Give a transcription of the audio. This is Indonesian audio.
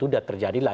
sudah terjadi lah